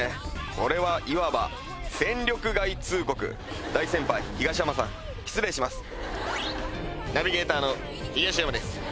これはいわば戦力外通告大先輩東山さん失礼しますナビゲーターの東山です